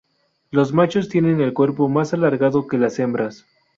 Los machos tienen el cuerpo más alargado que las hembras.